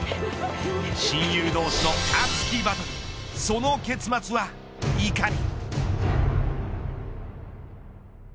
親友同士の熱きバトルその結末はいかに。